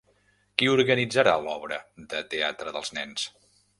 Qui organitzarà l'obra de teatre dels nens?